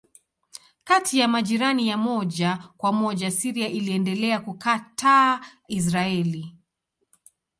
Kati ya majirani ya moja kwa moja Syria iliendelea kukataa Israeli.